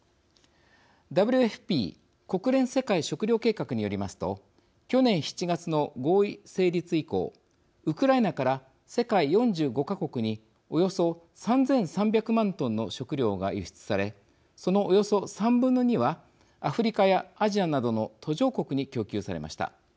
ＷＦＰ＝国連世界食糧計画によりますと去年７月の合意成立以降ウクライナから世界４５か国におよそ３３００万トンの食料が輸出されその、およそ３分の２はアフリカやアジアなどの途上国に供給されました。